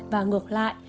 và ngược lại